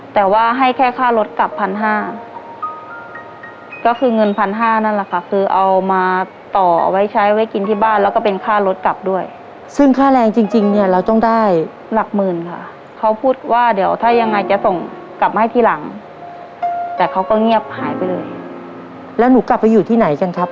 แต่เขาก็เงียบหายไปเลยแล้วหนูกลับไปอยู่ที่ไหนกันครับ